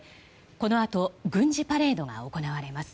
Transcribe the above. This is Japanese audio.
このあと軍事パレードが行われます。